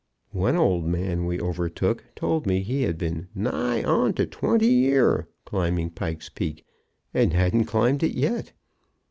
One old man we overtook told me he had been "nigh on to twenty year" climbing Pike's Peak, and hadn't climbed it yet.